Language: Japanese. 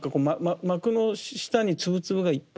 膜の下にツブツブがいっぱい。